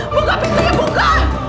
buka pintunya buka